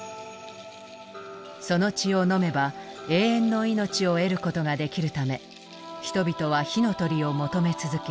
その血を飲めば永遠の命を得ることができるため人々は火の鳥を求め続け